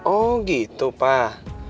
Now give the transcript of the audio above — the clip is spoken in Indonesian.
oh gitu pak